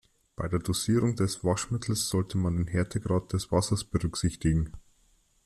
Bei der Dosierung des Waschmittels sollte man den Härtegrad des Wassers berücksichtigen.